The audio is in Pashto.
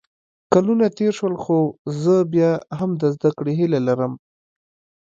کلونه تېر شول خو زه بیا هم د زده کړې هیله لرم